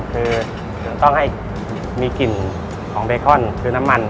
คือจะต้องให้มีกลิ่นของเบคอนคือน้ำมัน